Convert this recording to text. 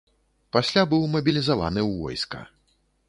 Пасля быў мабілізаваны ў войска.